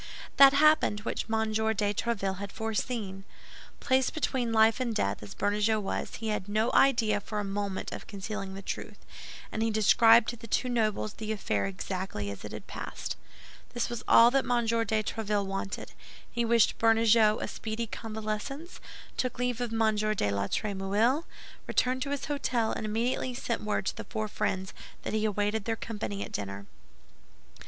That happened which M. de Tréville had foreseen. Placed between life and death, as Bernajoux was, he had no idea for a moment of concealing the truth; and he described to the two nobles the affair exactly as it had passed. This was all that M. de Tréville wanted. He wished Bernajoux a speedy convalescence, took leave of M. de la Trémouille, returned to his hôtel, and immediately sent word to the four friends that he awaited their company at dinner.